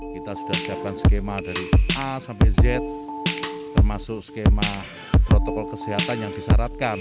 kita sudah siapkan skema dari a sampai z termasuk skema protokol kesehatan yang disyaratkan